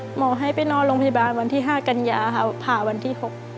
หมอให้ไปนอนโรงพยาบาลวันที่๕กันยาค่ะผ่าวันที่๖